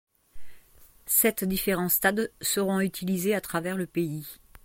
Sept différents stades seront utilisés à travers le pays.